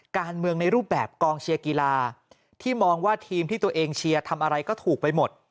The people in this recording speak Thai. การเมืองในรูปแบบกองเชียร์กีฬาที่มองว่าทีมที่ตัวเองเชียร์ทำอะไรก็ถูกไปหมด